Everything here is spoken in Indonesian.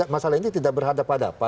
masalah ini tidak berhadapan hadapan